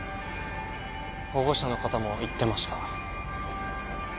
保護者の方も言ってました。